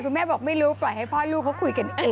คุณแม่บอกไม่รู้ปล่อยให้พ่อรู้